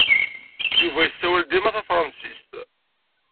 Yuba yessawal dima tafṛensist.